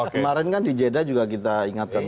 kemarin kan di jeddah juga kita ingatkan